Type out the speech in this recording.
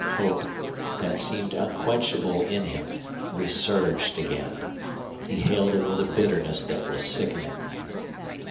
Hope, that seemed unquenchable in him, resurged again. He hailed it with a bitterness that was sickening.